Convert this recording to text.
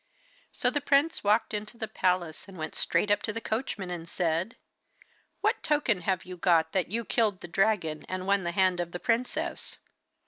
So the prince walked into the palace, and went straight up to the coachman and said: 'What token have you got that you killed the dragon and won the hand of the princess?